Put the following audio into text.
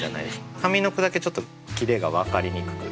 上の句だけちょっとキレが分かりにくくて。